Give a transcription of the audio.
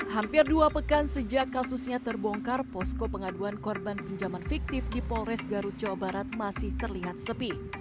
hampir dua pekan sejak kasusnya terbongkar posko pengaduan korban pinjaman fiktif di polres garut jawa barat masih terlihat sepi